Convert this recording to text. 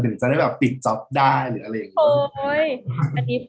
หรือจะได้ปิดจอปได้หรืออะไรอย่างนี้